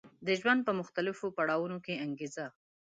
د ژوند په مختلفو پړاوونو کې انګېزه